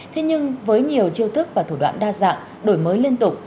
thế nhưng với nhiều chiêu thức và thủ đoạn đa dạng đổi mới liên tục